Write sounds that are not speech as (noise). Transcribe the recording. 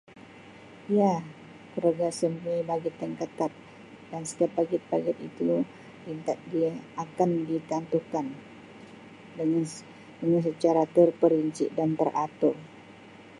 Ya (unintelligible) bajet yang ketat dan setiap bajet-bajet itu minta dia akan ditantukan (unintelligible) mengikut cara terperinci dan teratur.